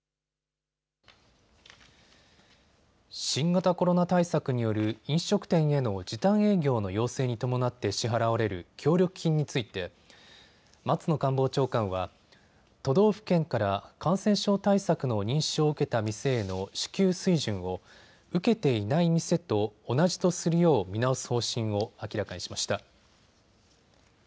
新型コロナ対策による飲食店への時短営業の要請に伴って支払われる協力金について松野官房長官は都道府県から感染症対策の認証を受けた店への支給水準を受けていない店と同じとするよう見直す方針を明らかにしました。